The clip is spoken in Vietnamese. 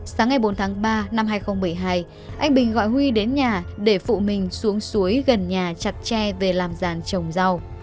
sáng ngày bốn tháng ba năm hai nghìn một mươi hai anh bình gọi huy đến nhà để phụ mình xuống suối gần nhà chặt tre về làm giàn trồng rau